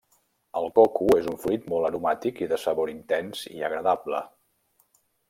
El coco és un fruit molt aromàtic i de sabor intens i agradable.